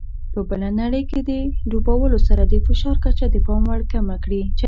په بله نړۍ کې ډوبولو سره د فشار کچه د پام وړ کمه کړي.